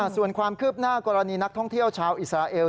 ส่วนความคืบหน้ากรณีนักท่องเที่ยวชาวอิสราเอล